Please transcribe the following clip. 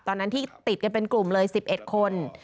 ตอนนั้นที่ติดกันเป็นกลุ่มเลย๑๑คน